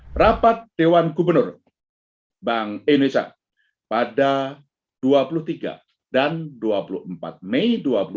hai rapat dewan gubernur bank indonesia pada dua puluh tiga dan dua puluh empat mei dua ribu dua puluh dua